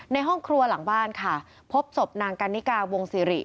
ในห้องครัวหลังบ้านค่ะพบศพนางกันนิกาวงศิริ